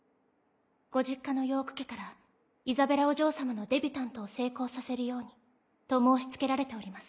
ご実家のヨーク家からイザベラお嬢様のデビュタントを成功させるようにと申し付けられております。